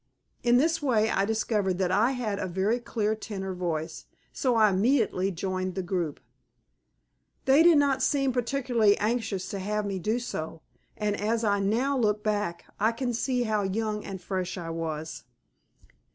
In this way I discovered that I had a very clear tenor voice, so I immediately joined the group. They did not seem particularly anxious to have me do so, and as I now look back, I can see how young and fresh I was.